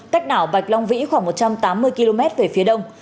cách đảo bạch long vĩ khoảng một trăm tám mươi km về phía đông